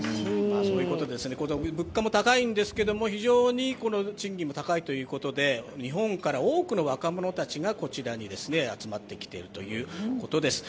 物価も高いんですけど非常に賃金も高いということで日本から多くの若者たちがこちらに集まってきているということです。